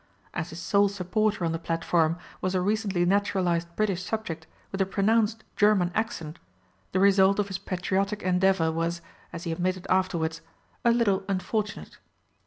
As his sole supporter on the platform was a recently naturalised British subject with a pronounced German accent, the result of this patriotic endeavour was, as he admitted afterwards, "a little unfortunate."